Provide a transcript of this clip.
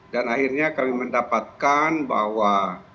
dan akhirnya kami mendapatkan bahwa